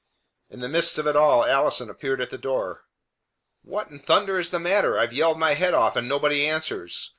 In the midst of it all Allison appeared at the door. "What in thunder is the matter? I've yelled my head off, and nobody answers.